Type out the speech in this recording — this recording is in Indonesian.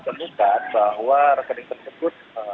temukan bahwa rekening tersebut